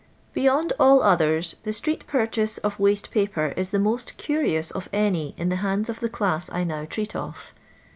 BiTOKD all others the itn et purchaae of wute paper ii the most enrioui of any in the handi of the clais I now treat of.